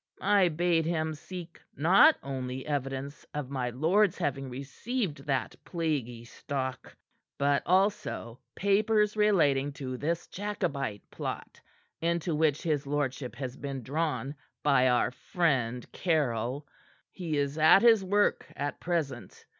I bade him seek not only evidence of my lord's having received that plaguey stock, but also papers relating to this Jacobite plot into which his lordship has been drawn by our friend Caryll. He is at his work at present.